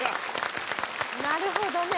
なるほどね。